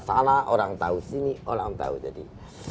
salah orang tahu sini orang tahu jadi